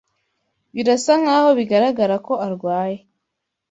Birasa nkaho bigaragara ko arwaye.